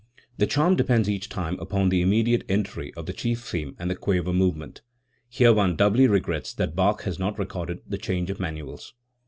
The charm depends each time upon the immediate entry of the chief theme and the quaver movement. Here one doubly regrets that Bach has not recorded the change of manuals.